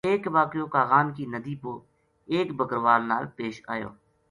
ایک واقعو کاغان کی ندی پو ایک بکروال نال پیش آیو